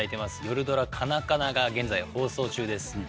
夜ドラ「カナカナ」が現在放送中です。